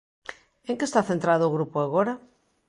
En que está centrado o grupo agora?